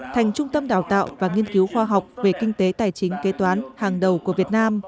thành trung tâm đào tạo và nghiên cứu khoa học về kinh tế tài chính kế toán hàng đầu của việt nam